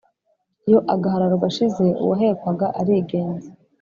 Iyo agahararo gashize uwahekwaga arigenza.